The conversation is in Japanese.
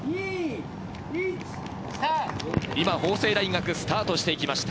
今、法政大学、スタートしていきました。